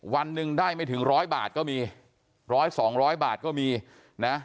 วันหนึ่งได้ไม่ถึงร้อยบาทก็มีร้อยสองร้อยบาทก็มีนะ